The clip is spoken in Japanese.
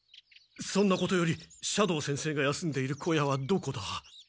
そんなことより斜堂先生が休んでいる小屋はどこだ？